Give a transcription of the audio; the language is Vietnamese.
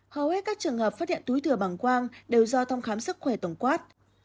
hầu hết các trường hợp phát hiện túi thừa bằng quang đều do thăm khám sức khỏe tổng quát